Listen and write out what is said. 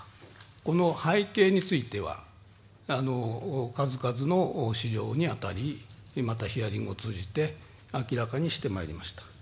この背景については、数々の資料に当たり、またヒアリングを通じて明らかにしてまいりました。